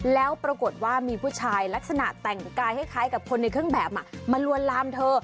แล้วปรากฏว่ามีผู้ชายลักษณะแต่งกายคล้ายกับคนในเครื่องแบบมาลวนลามเธอ